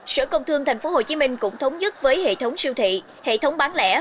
sở công thương tp hcm cũng thống nhất với hệ thống siêu thị hệ thống bán lẻ